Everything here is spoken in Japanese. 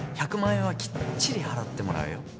１００万円はきっちり払ってもらうよ。